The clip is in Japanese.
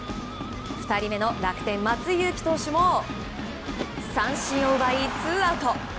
２人目の楽天、松井裕樹投手も三振を奪いツーアウト。